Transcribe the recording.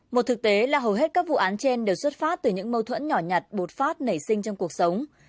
một thực tế là hầu hết các vụ án trên đều xuất phát từ những mâu thuẫn nhỏ nhặt bột phát nảy sinh trong cuộc sống